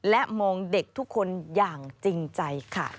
และมองเด็กทุกคนอย่างจริงใจค่ะ